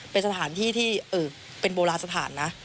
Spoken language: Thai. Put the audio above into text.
เป็นสถานที่ที่เป็นโบราณสถานนะ